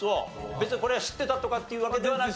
別にこれは知ってたとかっていうわけではなく？